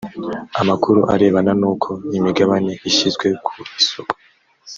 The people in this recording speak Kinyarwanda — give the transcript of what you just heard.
amakuru arebana n’uko imigabane ishyizwe ku isoko